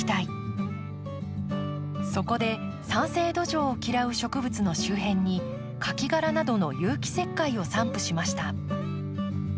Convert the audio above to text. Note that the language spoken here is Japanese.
そこで酸性土壌を嫌う植物の周辺に牡蠣殻などの有機石灰を散布しました。